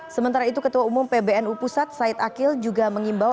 sementara itu ketua umum pbnu pusat said akil juga mengimbau